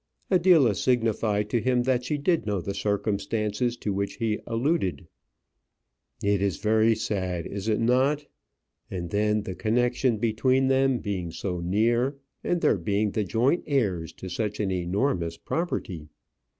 Adela signified to him that she did know the circumstances to which he alluded. "It is very sad, is it not? and then the connection between them being so near; and their being the joint heirs to such an enormous property!